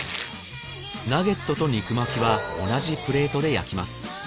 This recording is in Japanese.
ナゲットと肉巻きは同じプレートで焼きます